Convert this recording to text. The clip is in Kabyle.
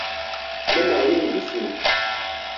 Llan ɛyan deg sin.